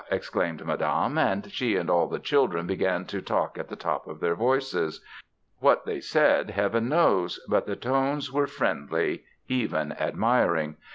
exclaimed Madame, and she and all the children began to talk at the top of their voices. What they said Heaven knows, but the tones were friendly, even admiring.